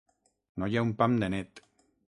No hi ha un pam de net.